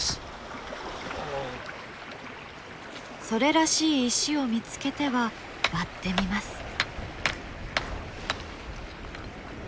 それらしい石を見つけては割ってみます。